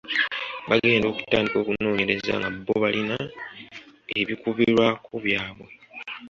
Bagenda okutandika okunoonyereza nga bbo balina ebikubirwako byabwe.